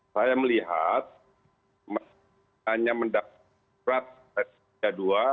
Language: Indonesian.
saya melihat hanya mendapatkan proses liga dua